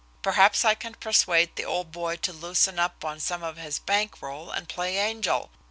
Perhaps I can persuade the old boy to loosen up on some of his bank roll and play angel.